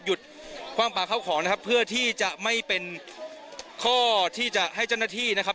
คว่างปลาเข้าของนะครับเพื่อที่จะไม่เป็นข้อที่จะให้เจ้าหน้าที่นะครับ